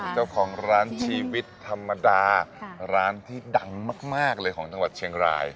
ชีวิตธรรมดาร้านที่ดังมากเลยของจังหวัดเชียงราย